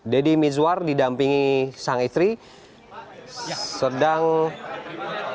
jadi mizwar didampingi sang itri sedang berbicara